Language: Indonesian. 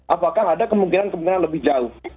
apakah ada kemungkinan kemungkinan lebih jauh